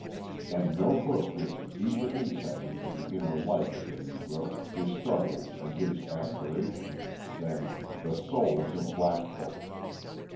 And no book gives a deeper insight into the inner life of the Negro, his struggles and his aspirations, than "The Souls of Black Folk."